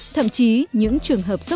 thậm chí những trường hợp sức khỏe